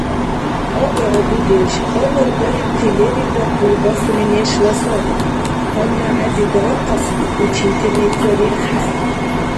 Агара, дудеш, гьалар дарибти лерилра къулбасуни нешла сари, гьанна хӀези дарахъасли, учительница рирххӀерар.